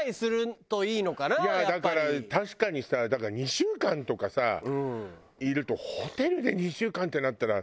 いやだから確かにさ２週間とかさいるとホテルで２週間ってなったら。